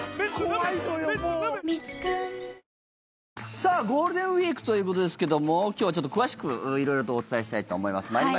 さあ、ゴールデンウィークということですけども今日はちょっと詳しく色々とお伝えしたいと思います。